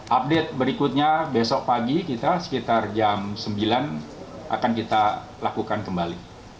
update berikutnya besok pagi kita sekitar jam sembilan akan kita lakukan kembali